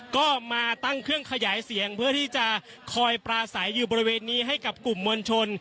ก็มาตั้งเครื่องขยายเสียงเพื่อที่จะคอยปราศัยอยู่บริเวณนี้ให้กับกลุ่มมวลชน